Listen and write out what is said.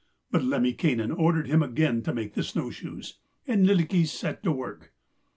But Lemminkainen ordered him again to make the snow shoes, and Lylikki set to work.